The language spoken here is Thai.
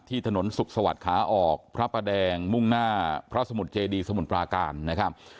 ถนนสุขสวัสดิ์ขาออกพระประแดงมุ่งหน้าพระสมุทรเจดีสมุทรปราการนะครับ